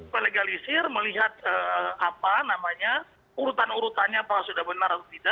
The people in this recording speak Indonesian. melegalisir melihat apa namanya urutan urutannya apakah sudah benar atau tidak